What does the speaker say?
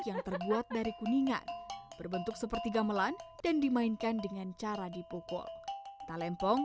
yang terbuat dari kuningan berbentuk seperti gamelan dan dimainkan dengan cara dipukul talempong